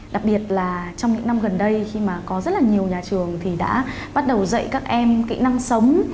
đặc biệt là trong những năm gần đây khi mà có rất là nhiều nhà trường thì đã bắt đầu dạy các em kỹ năng sống